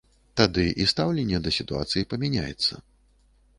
Тады і стаўленне да сітуацыі памяняецца.